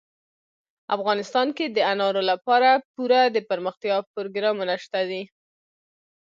افغانستان کې د انارو لپاره پوره دپرمختیا پروګرامونه شته دي.